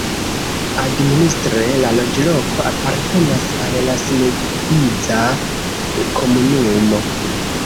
Administre la loĝloko apartenas al la Simeiza komunumo.